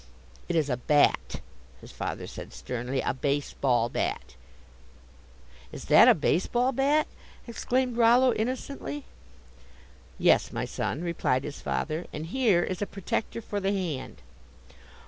"It is a bat," his father said sternly, "a base ball bat." "Is that a base ball bat?" exclaimed Rollo, innocently. "Yes, my son," replied his father, "and here is a protector for the hand."